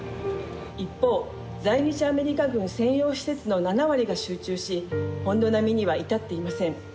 一方在日アメリカ軍専用施設の７割が集中し本土並みには至っていません。